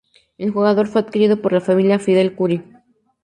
El Jugador fue adquirido por la familia Fidel Kuri.